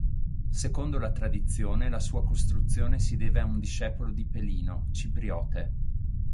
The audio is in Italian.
Secondo la tradizione la sua costruzione si deve ad un discepolo di Pelino, Cipriote.